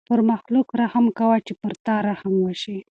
پر مخلوق رحم کوه چې پر تا رحم وشي.